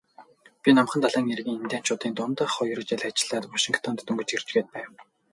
Би Номхон далайн эргийн индианчуудын дунд хоёр жил ажиллаад Вашингтонд дөнгөж ирчхээд байв.